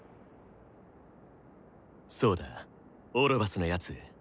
そうだオロバスのヤツ